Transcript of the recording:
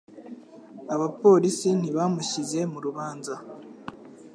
Abapolisi ntibamushyize mu rubanza.